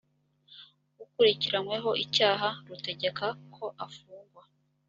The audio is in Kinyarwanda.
ukurikiranyweho icyaha rutegeka ko afungwa